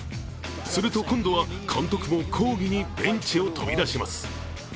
すると、今度は監督も抗議にベンチを飛び出します。